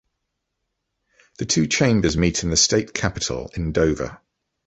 The two chambers meet in the State Capitol, in Dover.